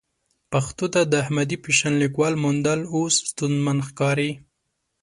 پښتو ته د احمدي په شان لیکوال موندل اوس ستونزمن ښکاري.